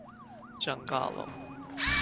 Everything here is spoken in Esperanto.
ĝangalo